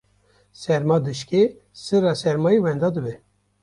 serma dişkê, sirra sermayê wenda dibe